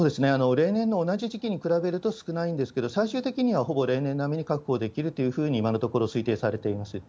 例年の同じ時期に比べると少ないんですけれども、最終的にはほぼ例年並みに確保できるというふうに、今のところ推定されています。